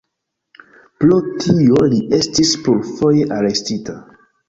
Pro tio li estis plurfoje arestita.